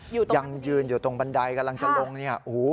อยู่ถึงยังยืนอยู่ตรงบันไดกำลังจะลงเนี้ยฮู้